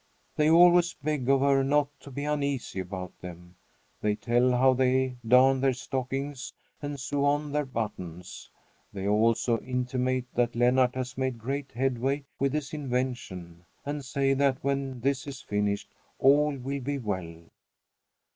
They always beg of her not to be uneasy about them. They tell how they darn their stockings and sew on their buttons. They also intimate that Lennart has made great headway with his invention and say that when this is finished all will be well.